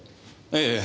ええ。